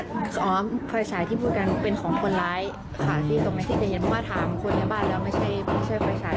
ที่ตกมาที่จะเห็นเพราะว่าถามคนในบ้านแล้วไม่ใช่ไฟฉาย